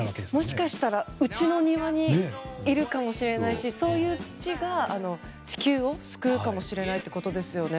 もしかしたらうちの庭にいるかもしれないしそういう土が地球を救うかもしれないってことですよね。